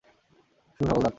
শুভ সকাল, ডাক্তার।